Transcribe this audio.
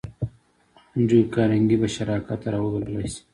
انډريو کارنګي به شراکت ته را وبللای شې؟